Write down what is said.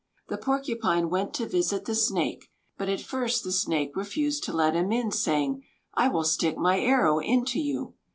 The Porcupine went to visit the Snake; but at first the Snake refused to let him in, saying: "I will stick my arrow into you."